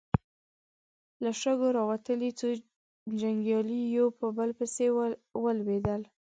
له شګو راوتلې څو جنګيالي يو په بل پسې ولوېدل.